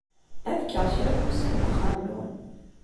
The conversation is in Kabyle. Ad kkeɣ kra n wussan deg uxxam-nwen.